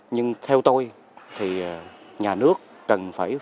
nhưng theo tôi thì nhà nước cần phải phân tích